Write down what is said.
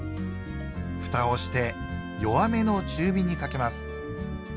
ふたをして弱めの中火にかけます。